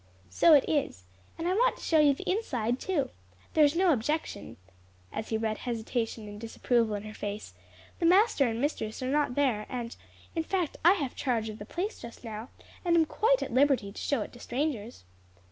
"So it is; and I want to show you the inside too. There's no objection," as he read hesitation and disapproval in her face; "the master and mistress are not there, and in fact I have charge of the place just now, and am quite at liberty to show it to strangers."